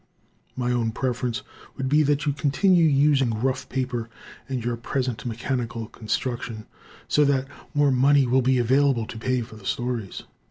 My own preference would be that you continue using rough paper and your present mechanical construction, so that more money will be available to pay for the stories.